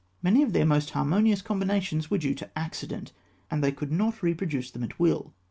Many of their most harmonious combinations were due to accident, and they could not reproduce them at will.